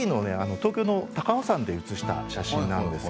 東京の高尾山で写した写真です。